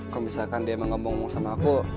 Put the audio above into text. kalo misalkan dia menggambung gambung sama aku